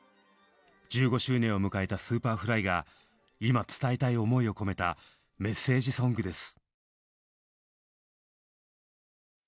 １５周年を迎えたＳｕｐｅｒｆｌｙが今伝えたい思いを込めたメッセージソングです。